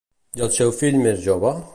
I el seu fill més jove?